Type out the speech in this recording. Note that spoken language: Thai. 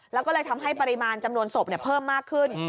แล้วก็เลยทำให้ปริมาณจำนวนศพเพิ่มมากขึ้น